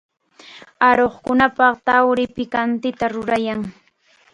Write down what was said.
Aruqkunapaq tarwi pikantita rurayan.